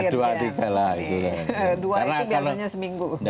dua itu biasanya seminggu